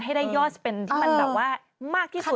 ให้ได้ยอดเป็นที่มันแบบว่ามากที่สุด